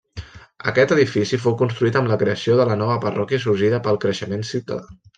Aquest edifici fou construït amb la creació de la nova parròquia sorgida pel creixement ciutadà.